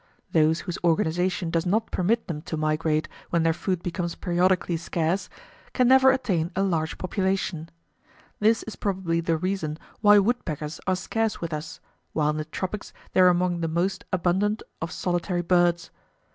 Those whose organization does not permit them to migrate when their food becomes periodically scarce, can never attain a large population. This is probably the reason why woodpeckers are scarce with us, while in the tropics they are among the most abundant of solitary birds.